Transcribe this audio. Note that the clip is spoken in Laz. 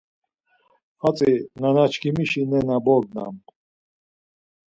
Hatzi nanaçkimişi nena bognam.